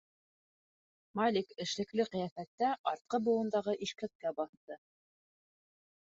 Малик эшлекле ҡиәфәттә артҡы быуындағы ишкәккә баҫты.